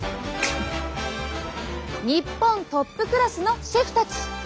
日本トップクラスのシェフたち。